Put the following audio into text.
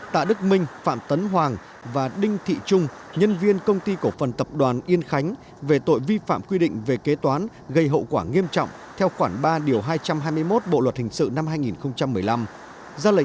tạ đức minh phạm tấn hoàng và đinh thị trung nhân viên công ty cổ phần tập đoàn yên khánh về tội vi phạm quy định về kế toán gây hậu quả nghiêm trọng theo khoảng ba hai trăm hai mươi một bộ luật hình sự năm hai nghìn một mươi năm